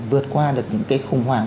vượt qua được những cái khủng hoảng